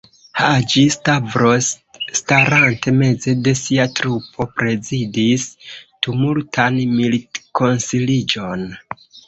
Haĝi-Stavros, starante meze de sia trupo, prezidis tumultan militkonsiliĝon.